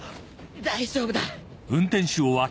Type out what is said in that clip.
大丈夫だ。